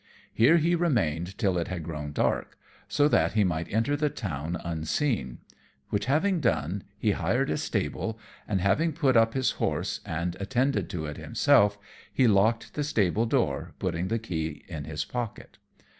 Here he remained till it had grown dark, so that he might enter the town unseen; which having done, he hired a stable, and having put up his horse, and attended to it himself, he locked the stable door, putting the key in his pocket.